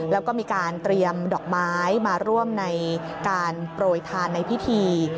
แล้วก็มีการเตรียมดอกไม้มาร่วมในการโปรยทานในพิธี